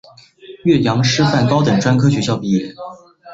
岳阳师范高等专科学校毕业。